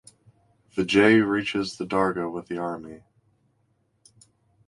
Vijay reaches the dargah with the army.